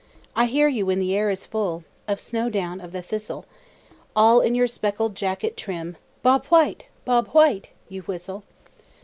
I hear you when the air is full Of snow down of the thistle; All in your speckled jacket trim, "Bob White! Bob White!" you whistle.